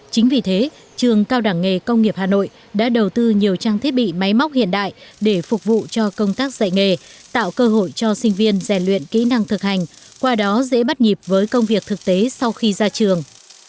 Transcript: chính vì thế trường cao đẳng nghề công nghiệp hà nội đã đầu tư nhiều trang thiết bị máy móc hiện đại để phục vụ cho công tác dạy nghề tạo cơ hội cho sinh viên rèn luyện kỹ năng thực hành qua đó dễ bắt nhịp với công việc thực tế sau khi ra trường